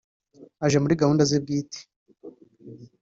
aje muri gahunda ze bwite